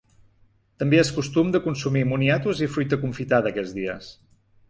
També és costum de consumir moniatos i fruita confitada aquests dies.